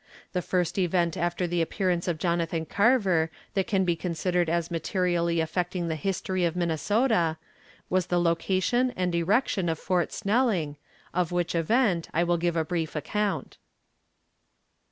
The first event after the appearance of Jonathan Carver that can be considered as materially affecting the history of Minnesota was the location and erection of Fort Snelling, of which event I will give a brief account.